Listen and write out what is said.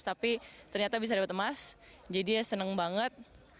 tapi ternyata bisa dapet emas jadi ya senang banget